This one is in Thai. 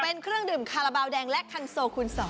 เป็นเครื่องดื่มคาราบาลแดงและคันโซคูณ๒